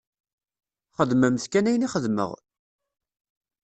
Xedmemt kan ayen i xedmeɣ!